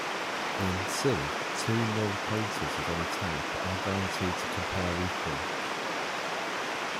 In C, two null pointers of any type are guaranteed to compare equal.